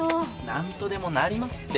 何とでもなりますって。